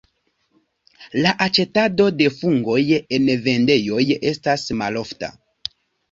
La aĉetado de fungoj en vendejoj estas malofta.